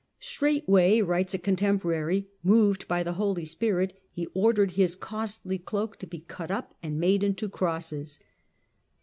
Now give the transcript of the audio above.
" Straightway," writes a contemporary, " moved by the Holy Spirit, he ordered his costly cloak to be cut up and made into crosses.